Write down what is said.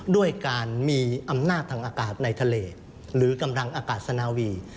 ด้วยการมีอำนาจทางอากาศในทะเลหรือกำลังอากาศสนาวี